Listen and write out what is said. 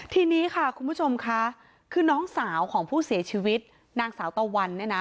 ทีนี้ค่ะคุณผู้ชมค่ะคือน้องสาวของผู้เสียชีวิตนางสาวตะวันเนี่ยนะ